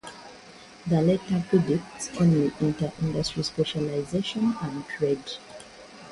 The latter predicts only inter-industry specialisation and trade.